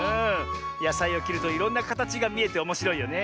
やさいをきるといろんなかたちがみえておもしろいよね。